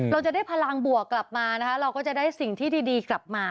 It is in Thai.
เราจะได้พลังบวกกลับมานะคะเราก็จะได้สิ่งที่ดีกลับมา